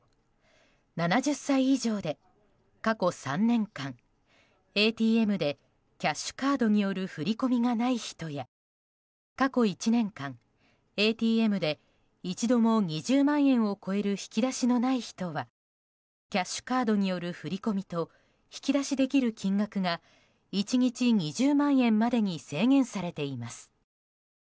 ７０歳以上で過去３年間ＡＴＭでキャッシュカードによる振り込みがない人や過去１年間、ＡＴＭで一度も２０万円を超える引き出しのない人はキャッシュカードによる振り込みと引き出しできる金額が１日２０万円までに制限されています。